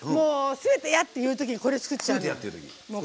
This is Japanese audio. すべて嫌っていうときにこれ作っちゃうの。